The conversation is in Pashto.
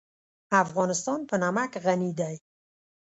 افغانستان په نمک غني دی.